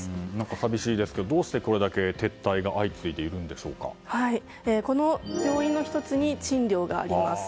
寂しいですけれどどうしてこれだけこの要因の１つに賃料があります。